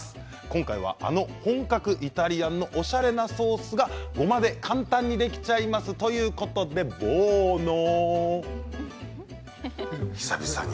今回はあの本格イタリアンのおしゃれなソースがごまで簡単にできちゃいますということで、ボーノ。